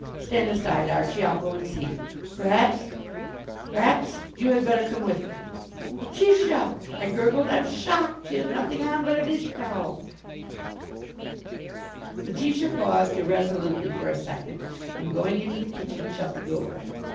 Stand aside, Archie. I'll go and see. Perhaps perhaps you had better come with me." "Letitia," I gurgled, "I'm shocked! She has nothing on but a dish towel." Letitia paused irresolutely for a second, and going into the kitchen shut the door.